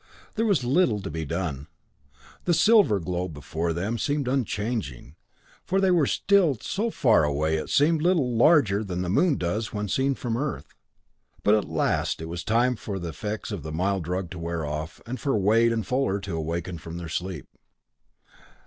There was little to be done. The silver globe before them seemed unchanging, for they were still so far away it seemed little larger than the moon does when seen from Earth. But at last it was time for the effects of the mild drug to wear off, and for Wade and Fuller to awaken from their sleep.